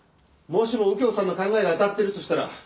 もしも右京さんの考えが当たってるとしたら。